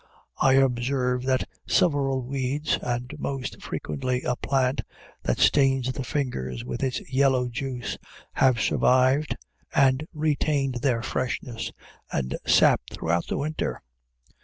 I observe that several weeds and, most frequently, a plant that stains the fingers with its yellow juice have survived and retained their freshness and sap throughout the winter.